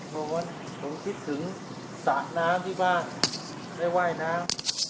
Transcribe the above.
ผมคิดถึงสระน้ำที่บ้างได้ว่ายน้ำ